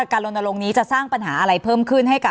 การลงนี้จะสร้างปัญหาอะไรเพิ่มขึ้น